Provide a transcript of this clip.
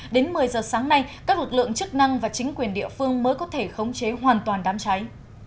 đến một mươi giờ sáng nay các lực lượng chức năng và chính quyền địa phương mới có thể khống chế hoàn toàn đám cháy